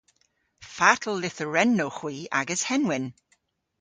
Fatel lytherennowgh hwi agas henwyn?